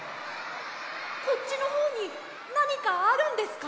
こっちのほうになにかあるんですか？